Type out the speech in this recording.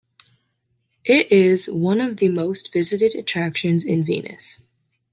It is one of the most visited attractions in Venice.